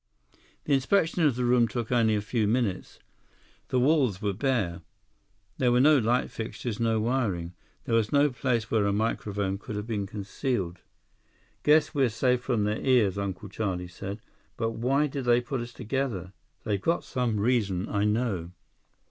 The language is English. The inspection of the room took only a few minutes. The walls were bare. There were no light fixtures, no wiring. There was no place where a microphone could have been concealed. "Guess we're safe from their ears," Uncle Charlie said. "But why did they put us together? They've got some reason, I know."